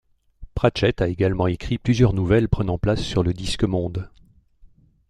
Pratchett a également écrit plusieurs nouvelles prenant place sur le Disque-monde.